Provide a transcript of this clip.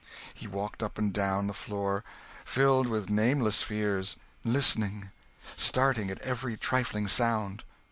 He walked up and down the floor, filled with nameless fears, listening, starting at every trifling sound.